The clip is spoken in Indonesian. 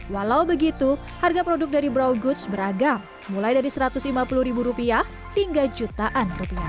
walau begitu harga produk dari brow goods beragam mulai dari rp satu ratus lima puluh hingga jutaan rupiah